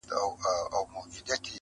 • شپه د ژمي هم سړه وه هم تياره وه -